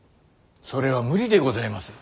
それは無理でございます。